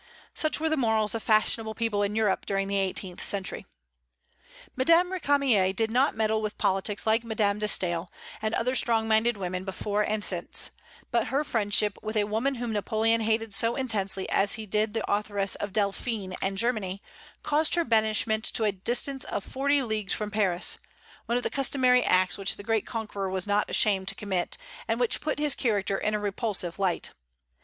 Such were the morals of fashionable people in Europe during the eighteenth century. Madame Récamier did not meddle with politics, like Madame de Staël and other strong minded women before and since; but her friendship with a woman whom Napoleon hated so intensely as he did the authoress of "Delphine" and "Germany," caused her banishment to a distance of forty leagues from Paris, one of the customary acts which the great conqueror was not ashamed to commit, and which put his character in a repulsive light.